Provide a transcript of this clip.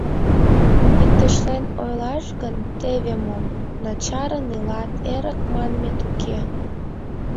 — Иктешлен ойлаш гын, теве мом: начарын илат, эрык манмет уке.